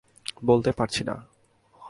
বলতে পারছি না।